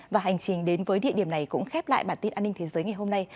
và hành trình đến với địa điểm này cũng khép lại bản tin an ninh thế giới ngày hôm nay